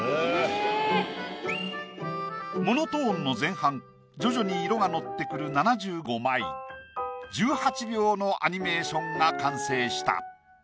モノトーンの前半徐々に色がのってくる７５枚１８秒のアニメーションが完成した。